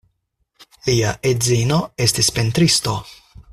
Lia edzino estis pentristo.